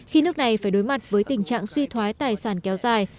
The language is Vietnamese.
khi nước này phải đối mặt với tình trạng suy thoái tài sản kéo dài